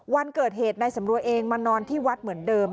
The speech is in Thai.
วันเกิดเหตุนายสำรวยเองมานอนที่วัดเหมือนเดิม